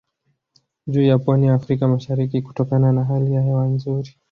Juu ya pwani ya Afrika mashariki kutokana na hali ya hewa nzuri